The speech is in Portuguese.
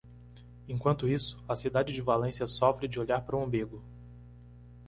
Enquanto isso, a cidade de Valência sofre de "olhar para o umbigo".